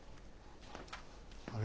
あれ？